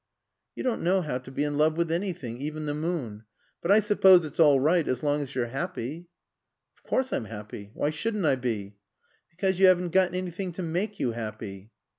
"You don't know how to be in love with anything even the moon. But I suppose it's all right as long as you're happy." "Of course I'm happy. Why shouldn't I be?" "Because you haven't got anything to make you happy."